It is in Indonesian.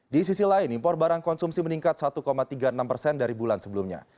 di sisi lain impor barang konsumsi meningkat satu tiga puluh enam persen dari bulan sebelumnya